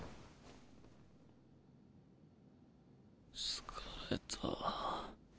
疲れた。